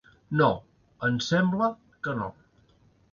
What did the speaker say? No, em sembla que no.